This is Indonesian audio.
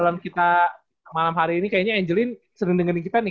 untuk mengakhiri obrolan kita malam hari ini kayaknya angelin sering dengerin kita nih